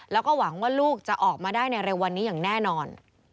แล้วก็หวังว่าลูกจะออกมาได้ในเร็ววันนี้อย่างแน่นอน